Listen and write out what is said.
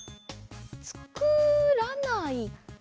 つくらないかな？